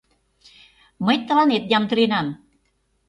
Мый тыланет ямдыленам...